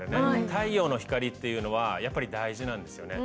太陽の光っていうのはやっぱり大事なんですよね。